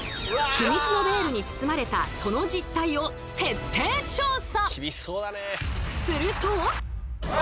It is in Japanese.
ヒミツのベールに包まれたその実態を徹底調査！